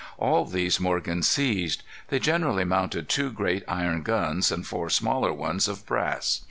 All these Morgan seized. They generally mounted two great iron guns and four smaller ones of brass.